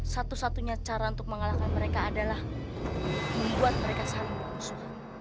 satu satunya cara untuk mengalahkan mereka adalah membuat mereka saling berangsur